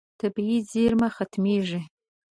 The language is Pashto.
طبیعي زیرمه ختمېږي.